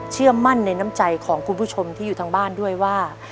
เชื่อมั่นในน้ำใจของคุณผู้ชมที่อยู่ทางบ้านด้วยว่า